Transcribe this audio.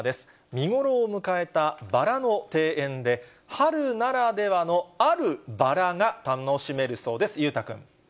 見頃を迎えたバラの庭園で、春ならではのあるバラが楽しめるそうです。